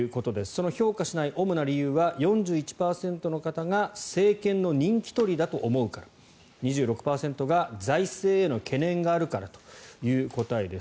その評価しない主な理由は４１％の方が政権の人気取りだと思うから２６％が財政への懸念があるからという答えです。